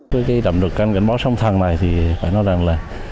cái đậm đực canh cảnh báo sóng thần này thì phải nói rằng là